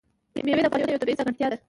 مېوې د افغانستان یوه طبیعي ځانګړتیا ده.